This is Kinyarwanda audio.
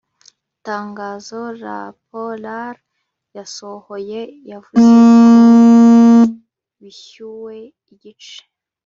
Itangazo Raporal yasohoye yavuze ko bishyuwe igice